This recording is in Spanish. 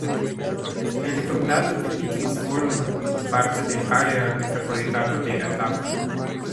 El condado de Pickens forma parte del área metropolitana de Atlanta.